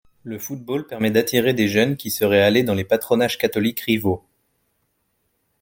Le football permet d'attirer des jeunes qui seraient allés dans les patronages catholiques rivaux.